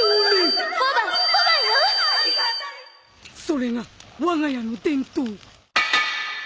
それがわが家の伝統。